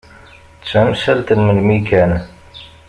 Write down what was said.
D tamsalt n melmi kan.